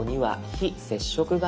非接触型。